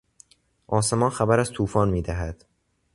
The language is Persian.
آسمان خبر از توفان میدهد.